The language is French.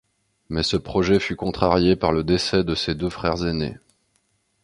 Mais ce projet fut contrarié par le décès de ses deux frères aînés.